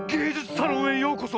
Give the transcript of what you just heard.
サロンへようこそ。